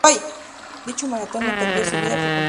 Dicho maratón le cambia su vida por completo.